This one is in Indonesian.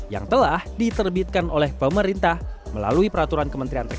yang telah diterbitkan oleh pemerintah melalui peraturan kementerian